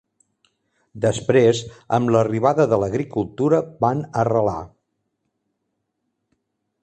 Després, amb l'arribada de l'agricultura van arrelar.